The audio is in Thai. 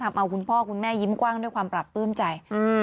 ทำเอาคุณพ่อคุณแม่ยิ้มกว้างด้วยความปรับปลื้มใจ